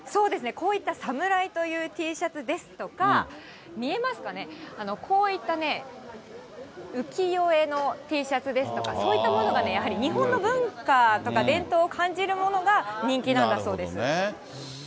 こういった侍というＴシャツですとか、見えますかね、こういったね、浮世絵のＴシャツですとか、そういったものがやっぱり日本の文化とか伝統を感じるものが人気なんだそうです。